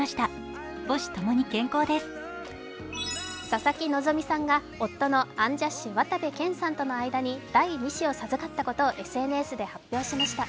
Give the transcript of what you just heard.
佐々木希さんが夫のアンジャッシュ・渡部建さんとの間に第２子を授かったことをＳＮＳで発表しました。